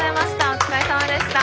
お疲れさまでした。